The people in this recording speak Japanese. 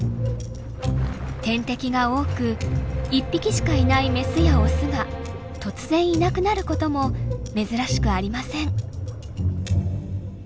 天敵が多く一匹しかいないメスやオスが突然いなくなることも珍しくありません。